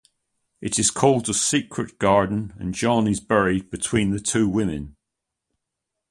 It is called the secret garden and John is buried between the two women.